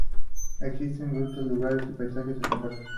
Existen grutas, lugares y paisajes asombrosos.